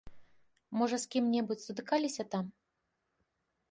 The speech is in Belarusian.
Можа з кім-небудзь сутыкаліся там?